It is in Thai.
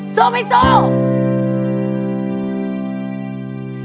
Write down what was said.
สู้ไม่สู้